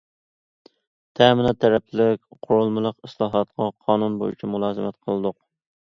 تەمىنات تەرەپلىك قۇرۇلمىلىق ئىسلاھاتقا قانۇن بويىچە مۇلازىمەت قىلدۇق.